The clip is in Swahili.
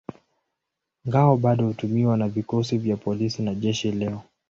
Ngao bado hutumiwa na vikosi vya polisi na jeshi leo.